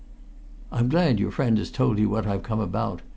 "I'm glad your friend has told you what I've come about.